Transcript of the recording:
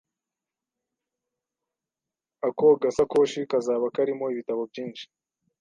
Ako gasakoshi kazaba karimo ibitabo byinshi?